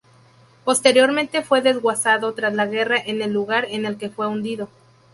Posteriormente fue desguazado tras la guerra en el lugar en el que fue hundido